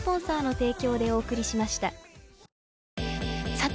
さて！